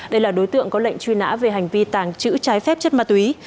đây là đối tượng có lệnh truy nã về hành vi tàng trữ trái phép chất ma túy